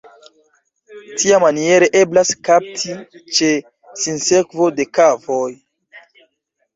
Tiamaniere eblas kapti ĉe sinsekvo de kavoj.